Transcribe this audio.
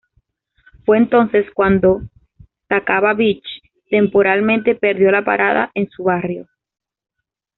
Fue entonces cuando Sacaba Beach, temporalmente, perdió la parada en su barrio.